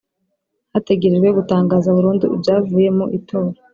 Hategerejwe gutangaza burundu ibyavuye mu itora